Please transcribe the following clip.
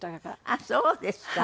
あっそうですか。